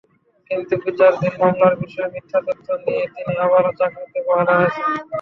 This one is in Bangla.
কিন্তু বিচারাধীন মামলার বিষয়ে মিথ্যা তথ্য দিয়ে তিনি আবারও চাকরিতে বহাল হয়েছেন।